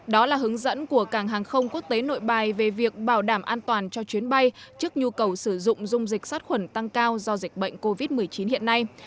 đó là hướng dẫn của cảng hàng không quốc tế nội bài về việc bảo đảm an toàn cho chuyến bay trước nhu cầu sử dụng dung dịch sát khuẩn tăng cao do dịch bệnh covid một mươi chín hiện nay